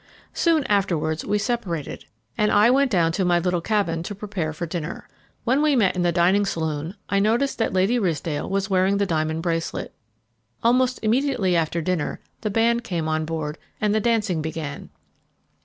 Soon afterwards we separated, and I went down to my little cabin to prepare for dinner. When we met in the dining saloon I noticed that Lady Ridsdale was wearing the diamond bracelet. Almost immediately after dinner the band came on board and the dancing began.